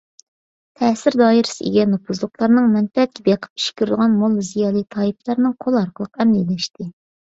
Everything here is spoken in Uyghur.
تەسىر دائىرىسىگە ئىگە نوپۇزلۇقلارنىڭ، مەنپەئەتكە بېقىپ ئىش كۆرىدىغان موللا - زىيالىي تائىپىلەرنىڭ قولى ئارقىلىق ئەمەلىيلەشتى.